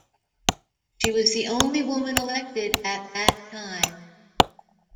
She was the only woman elected at that time.